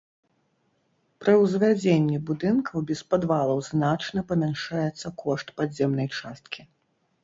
Пры ўзвядзенні будынкаў без падвалаў значна памяншаецца кошт падземнай часткі.